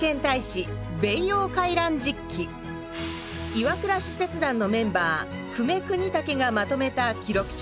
岩倉使節団のメンバー久米邦武がまとめた記録書です。